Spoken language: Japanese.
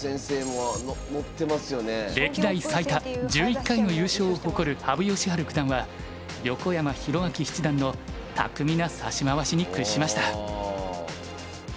歴代最多１１回の優勝を誇る羽生善治九段は横山泰明七段の巧みな指し回しに屈しました。